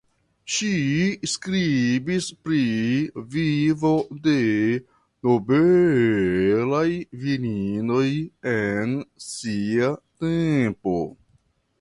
Ŝi skribis pri vivo de nobelaj virinoj en sia tempo.